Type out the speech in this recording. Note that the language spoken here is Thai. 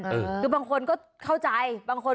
ก็คือเธอนี่มีความเชี่ยวชาญชำนาญ